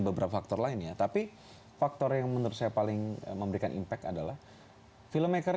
beberapa faktor lainnya tapi faktor yang menurut saya paling memberikan impact adalah film maker